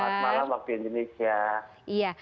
selamat malam waktu indonesia